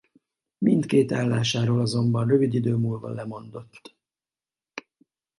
Mindkét állásáról azonban rövid idő múlva lemondott.